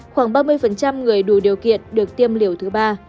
khoảng ba mươi người đủ điều kiện được tiêm liều thứ ba